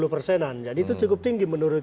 dua puluh persenan jadi itu cukup tinggi menurut